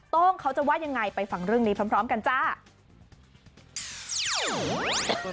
โต้งเขาจะว่ายังไงไปฟังเรื่องนี้พร้อมกันจ้า